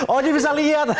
oh dia bisa lihat